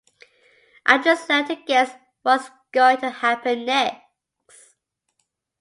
I've just learned to guess what's going to happen next.